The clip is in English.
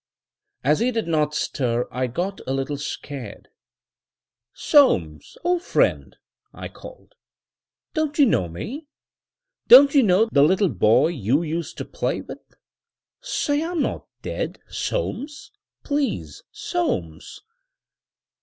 As he did not stir I got a little scared. "Soames, old friend!" I called, "don't you know me! Don't you know the little boy you used to play with? Say I'm not dead, Soames, please, Soames!"